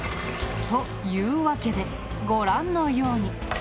というわけでご覧のように。